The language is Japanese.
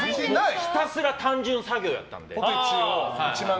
ひたすら単純作業やったんで。